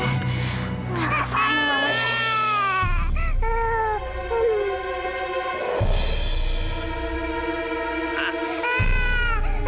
udah kava ini banget